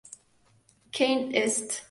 Klein St.